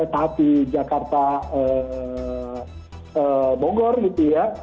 tapi jakarta bogor gitu ya